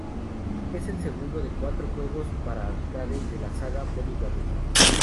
Es el segundo de cuatro juegos para Arcade de la saga Bubble Bobble.